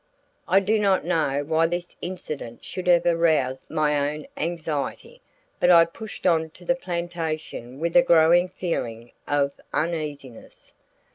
I do not know why this incident should have aroused my own anxiety, but I pushed on to the plantation with a growing feeling of uneasiness.